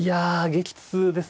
激痛ですか。